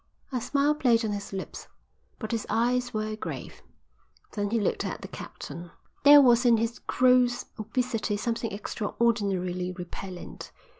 A smile played on his lips, but his eyes were grave. Then he looked at the captain. There was in his gross obesity something extraordinarily repellent.